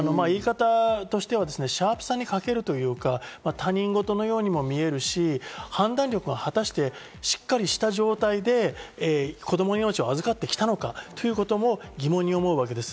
言い方としてはシャープさに欠けるというか、他人事のようにも見えるし、判断力が果たしてしっかりした状態で子供の命を預かってきたのかということも疑問に思うわけです。